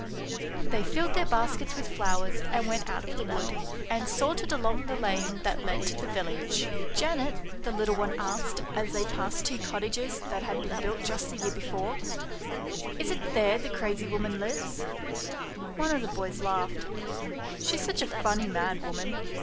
They filled their baskets with flowers and went out of the wood, and sauntered along the lane that led to the village. " Janet," the little one asked, as they passed two 94 ANYHOW STORIES. [STOEY cottages that had been built just the year before, " is it there the crazy woman lives ?" One of the boys laughed. "She's such a funny mad woman."